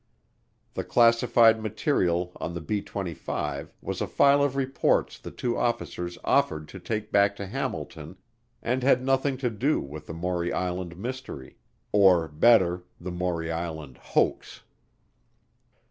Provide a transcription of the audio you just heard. The classified material on the B 25 was a file of reports the two officers offered to take back to Hamilton and had nothing to do with the Maury Island Mystery, or better, the Maury Island Hoax.